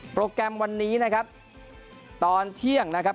โปรแกรมวันนี้นะครับตอนที่เยี่ยมนะครับ